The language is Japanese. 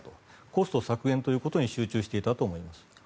コスト削減ということに集中していたと思います。